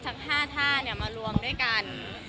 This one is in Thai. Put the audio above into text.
จากห้าท่ามารวมด้วยกัน